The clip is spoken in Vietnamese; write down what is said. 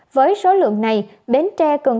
với số lượng này bến tre cần